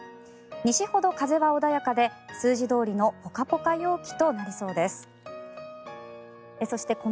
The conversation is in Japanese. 西ほど風は穏やかで数字どおりのポカポカ陽気となりそうです。